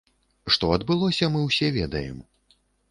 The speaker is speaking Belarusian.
Што адбылося, мы ўсе ведаем.